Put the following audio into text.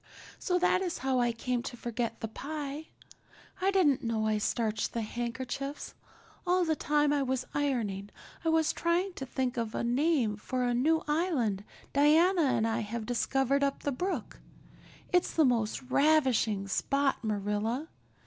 So that is how I came to forget the pie. I didn't know I starched the handkerchiefs. All the time I was ironing I was trying to think of a name for a new island Diana and I have discovered up the brook. It's the most ravishing spot, Marilla.